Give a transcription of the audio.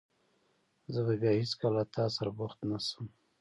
زه به بیا هېڅکله له تاسره بوخت نه شم.